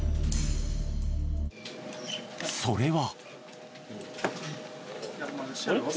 それは。